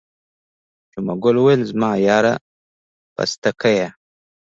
جمعه ګل وویل زما یاره پستکیه.